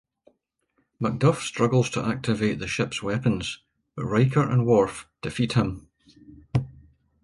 MacDuff struggles to activate the ship's weapons, but Riker and Worf defeat him.